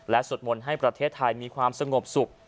สวดมนต์ให้ประเทศไทยมีความสงบสุข